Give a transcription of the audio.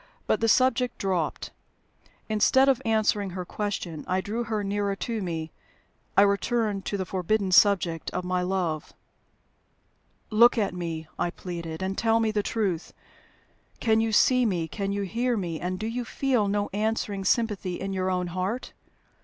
But the subject dropped. Instead of answering her question, I drew her nearer to me I returned to the forbidden subject of my love. "Look at me," I pleaded, "and tell me the truth. Can you see me, can you hear me, and do you feel no answering sympathy in your own heart?